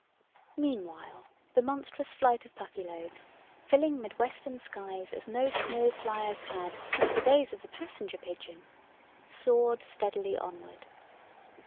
Meanwhile, the monstrous flight of Puffyloaves, filling midwestern skies as no small fliers had since the days of the passenger pigeon, soared steadily onward.